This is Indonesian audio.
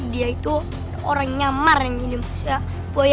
dia itu orang nyamar yang gini marsya boya